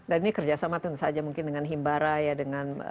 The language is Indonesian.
dan ini kerja sama tentu saja mungkin dengan himbara ya dengan